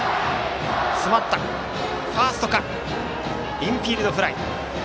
インフィールドフライ。